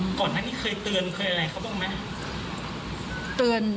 ก่อนนั้นเคยเตือนเคยอะไรครับบ้างไหม